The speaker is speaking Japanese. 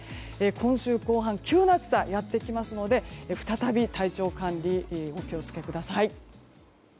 今週後半、急な暑さがやってきますので再び体調管理にお気をつけください。